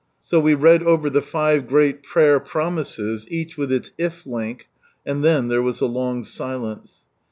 So we read over the five great prayer promises, each with its If Link, and then there ivas a iong silence.